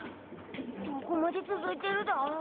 どこまでつづいてるだ？